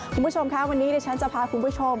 คุณผู้ชมค่ะวันนี้ดิฉันจะพาคุณผู้ชม